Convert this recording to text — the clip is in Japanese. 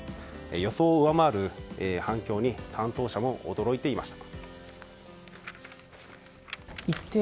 予想を上回る反響に担当者も驚いていました。